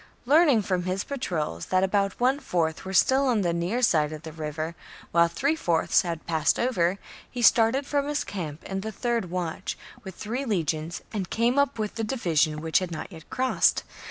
Learning from his patrols that about one fourth were still on the near side of the river, while three fourths had passed over, he started from his camp in the third watch,^ with three legions, and came up with the division which had not yet crossed.